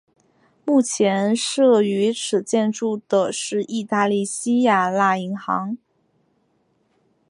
目前设于此建筑的是意大利西雅那银行。